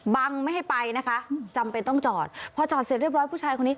ไม่ให้ไปนะคะจำเป็นต้องจอดพอจอดเสร็จเรียบร้อยผู้ชายคนนี้